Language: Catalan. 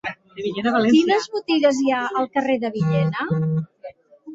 Quines botigues hi ha al carrer de Villena?